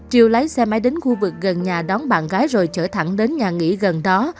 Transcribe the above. triều lái xe máy đến khu vực gần nhà đón bạn gái rồi trở thẳng đến nhà nghỉ gần đó